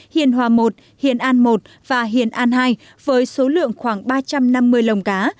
hiền hòa i hiền an một và hiền an hai với số lượng khoảng ba trăm năm mươi lồng cá